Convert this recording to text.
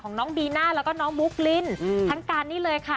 น้องบีน่าแล้วก็น้องมุกลิ้นทั้งการนี่เลยค่ะ